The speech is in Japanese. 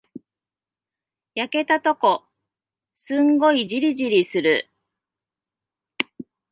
焼けたとこ、すんごいじりじりする。